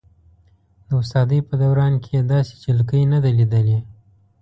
د استادۍ په دوران کې یې داسې جلکۍ نه ده لیدلې.